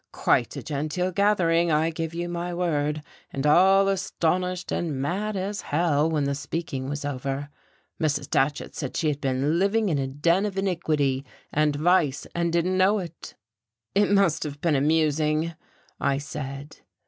Quite a genteel gathering, I give you my word, and all astonished and mad as hell when the speaking was over. Mrs. Datchet said she had been living in a den of iniquity and vice, and didn't know it." "It must have been amusing," I said.